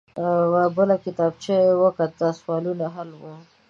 بله کتابچه يې وکته. سوالونه حل وو.